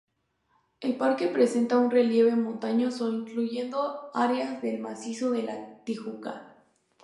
El parque presenta un relieve montañoso, incluyendo áreas del macizo de la Tijuca.